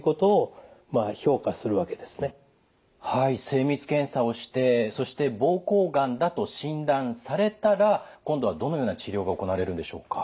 精密検査をしてそして膀胱がんだと診断されたら今度はどのような治療が行われるんでしょうか。